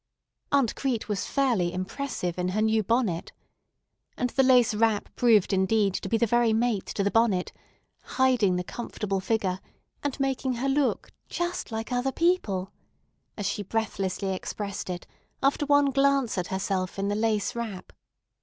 Aunt Crete was fairly impressive in her new bonnet. And the lace wrap proved indeed to be the very mate to the bonnet, hiding the comfortable figure, and making her look "just like other people," as she breathlessly expressed it after one glance at herself in the lace wrap.